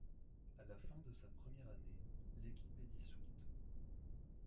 À la fin de sa première année, l'équipe est dissoute.